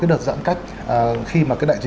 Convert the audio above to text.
đợt giãn cách khi mà đại dịch